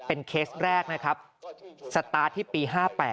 เป็นเคสแรกนะครับสตาร์ทที่ปี๕๘